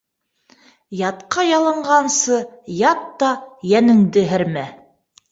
Ятҡа ялынғансы, ят та йәнеңде һәрмә.